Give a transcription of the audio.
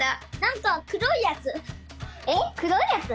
えっくろいやつ？